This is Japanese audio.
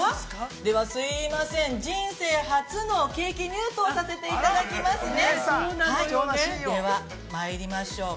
ではすいません、人生初のケーキ入刀をさせていただきますね。